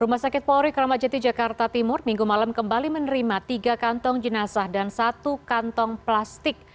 rumah sakit polri kramajati jakarta timur minggu malam kembali menerima tiga kantong jenazah dan satu kantong plastik